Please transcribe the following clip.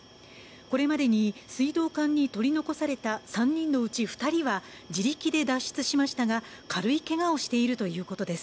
これまでに水道管に取り残された３人のうち２人は自力で脱出しましたが軽いけがをしているということです。